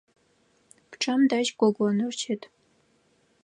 Пчъэм дэжь гогоныр щыт.